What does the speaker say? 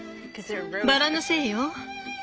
バラのせいよ。